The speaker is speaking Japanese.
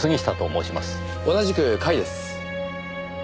同じく甲斐です。